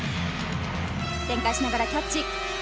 転回しながらキャッチ。